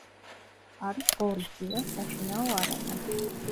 არის გორის „დილას“ საშინაო არენა.